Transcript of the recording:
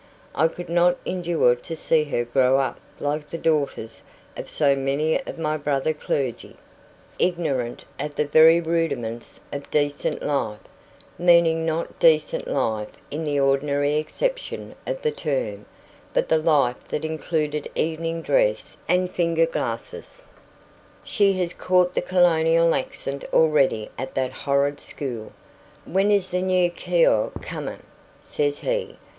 "I could not endure to see her grow up like the daughters of so many of my brother clergy, ignorant of the very rudiments of decent life" meaning not decent life in the ordinary acceptation of the term, but the life that included evening dress and finger glasses. "She has caught the colonial accent already at that horrid school. 'When is the new keeow coming?' says she.